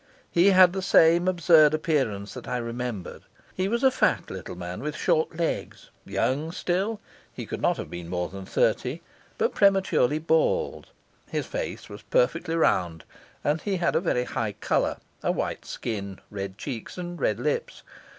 He had the same absurd appearance that I remembered. He was a fat little man, with short legs, young still he could not have been more than thirty but prematurely bald. His face was perfectly round, and he had a very high colour, a white skin, red cheeks, and red lips.